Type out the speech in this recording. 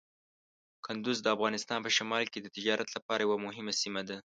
کندز د افغانستان په شمال کې د تجارت لپاره یوه مهمه سیمه ده.